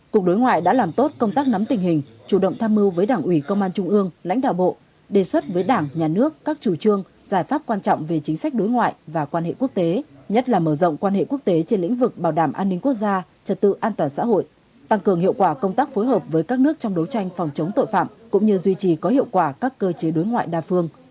cục đối ngoại đã làm tốt công tác nắm tình hình chủ động tham mưu với đảng ủy công an trung ương lãnh đạo bộ đề xuất với đảng nhà nước các chủ trương giải pháp quan trọng về chính sách đối ngoại và quan hệ quốc tế nhất là mở rộng quan hệ quốc tế trên lĩnh vực bảo đảm an ninh quốc gia trật tự an toàn xã hội tăng cường hiệu quả công tác phối hợp với các nước trong đấu tranh phòng chống tội phạm cũng như duy trì có hiệu quả các cơ chế đối ngoại đa phương